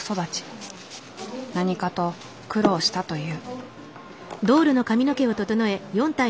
何かと苦労したという。